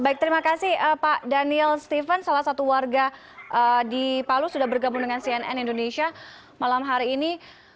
baik terima kasih pak daniel steven salah satu warga di palu sudah bergabung dengan cnn indonesia malam hari ini